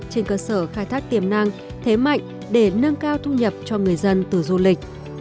trên cơ sở khai thác tiềm năng thế mạnh để nâng cao thu nhập cho người dân từ du lịch